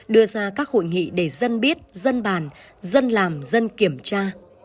đưa ra các hội nghị để dân biết dân bàn dân làm dân kiểm tra